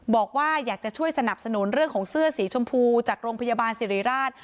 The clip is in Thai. บอกว่าอยากจะช่วยสนับสนุนเรื่องของเสื้อสีชมพูจากโรงพยาบาลสิริราช